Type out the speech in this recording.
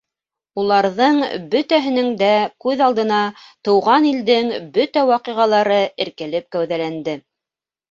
Уларҙың бөтәһенең дә күҙ алдына тыуған илдең бөтә ваҡиғалары эркелеп кәүҙәләнде.